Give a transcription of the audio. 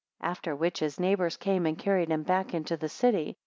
6 After which his neighbours came and carried him back into the city.